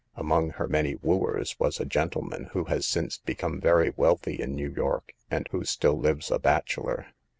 Among her many wooers was a gentleman who has since become very wealthy in New York, and who still lives a bachelor.